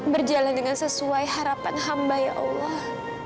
berjalan dengan sesuai harapan hamba ya allah